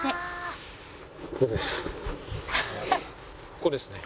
ここですね。